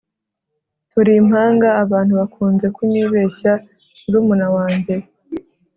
turi impanga. abantu bakunze kunyibeshya murumuna wanjye